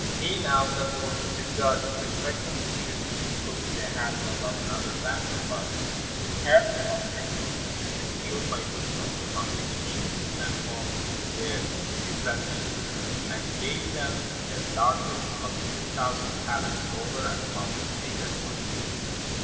He now set forth to seek Darius, expecting he should be put to the hazard of another battle, but heard he was taken and secured by Bessus, upon which news he sent home the Thessalians, and gave them a largess of two thousand talents over and above the pay that was due to them.